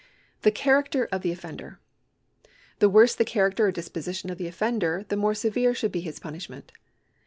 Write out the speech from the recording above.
The character of the offender. The worse the character or disposition of the offender the more severe should be his punishment.